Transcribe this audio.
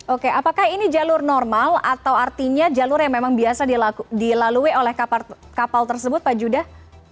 oke apakah ini jalur normal atau artinya jalur yang memang biasa dilalui oleh kapal tersebut pak judah